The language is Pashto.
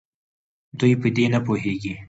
دوي په دې نپوهيږي